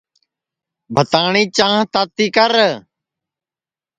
بھتاٹؔی چھانٚھ تاتی کر